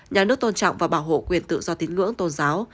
nhà nước tôn trọng và bảo hộ quyền tự do tín ngưỡng tôn giáo